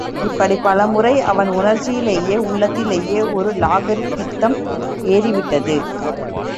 இப்படிப் பலமுறை அவன் உணர்ச்சியிலே உள்ளத்திலே ஒரு லாகிரி பித்தம் ஏறிவிட்டது.